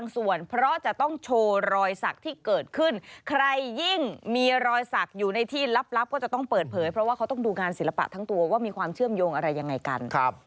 ส่วนเพราะจะต้องโชว์รอยสักที่เกิดขึ้นใครยิ่งมีรอยสักอยู่ในที่ลับก็จะต้องเปิดเผยเพราะว่าเขาต้องดูงานศิลปะทั้งตัวว่ามีความเชื่อมโยงอะไรยังไงกัน